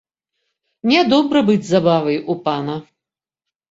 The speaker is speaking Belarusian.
Нядобра быць забавай у пана.